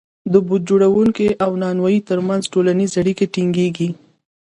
د بوټ جوړونکي او نانوای ترمنځ ټولنیزې اړیکې ټینګېږي